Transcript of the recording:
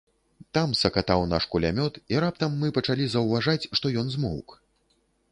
Там сакатаў наш кулямёт, і раптам мы пачалі заўважаць, што ён змоўк.